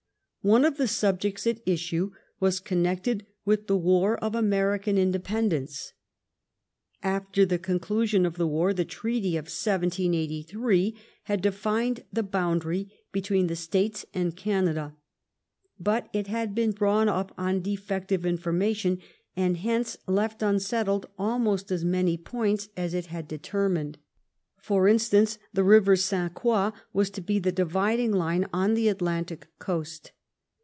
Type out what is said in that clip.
One of the subjects at issue was connected with the war of American inde pendence. After the conclusion of the war, the treaty of 1783 had defined the boundary between the States and Canada. But it had been drawn up on defective information, and hence left unsettled almost as many points as it had determined. For instance, the river St. Croix was to be the dividing line on the Atlantic coast.